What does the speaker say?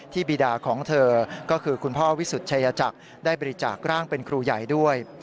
บีดาของเธอก็คือคุณพ่อวิสุทธิจักรได้บริจาคร่างเป็นครูใหญ่ด้วย